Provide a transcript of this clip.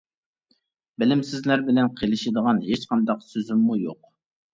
بىلىمسىزلەر بىلەن قىلىشىدىغان ھېچقانداق سۆزۈممۇ يوق.